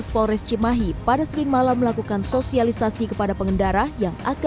belum dievakuasi pak